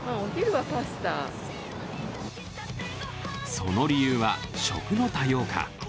その理由は食の多様化。